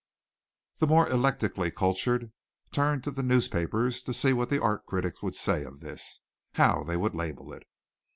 The more eclectically cultured turned to the newspapers to see what the art critics would say of this how they would label it.